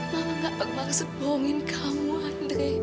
mama nggak pernah sebohongin kamu andre